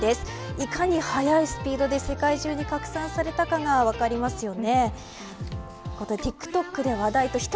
いかに速いスピードで世界中に拡散されたかが分かりますよね。